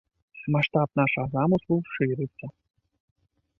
Маштаб нашага замыслу шырыцца.